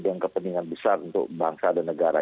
dan kepentingan besar untuk bangsa dan negara